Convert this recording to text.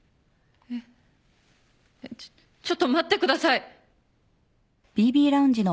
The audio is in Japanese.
えっちょっちょっと待ってください。